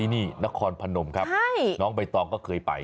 นี่นครพนมครับน้องใบตองก็เคยไป